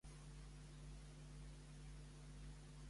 I tot i així, què afirmaran?